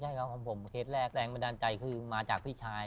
ใช่ครับของผมเคสแรกแรงบันดาลใจคือมาจากพี่ชาย